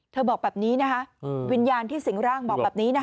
บอกแบบนี้นะคะวิญญาณที่สิงร่างบอกแบบนี้นะคะ